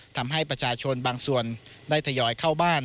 ทำให้ประชาชนบางส่วนได้ทยอยเข้าบ้าน